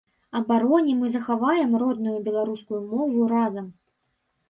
Абаронім і захаваем родную беларускую мову разам!